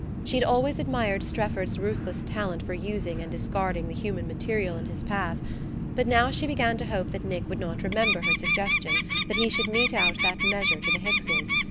She had always admired Strefford's ruthless talent for using and discarding the human material in his path, but now she began to hope that Nick would not remember her suggestion that he should mete out that measure to the Hickses.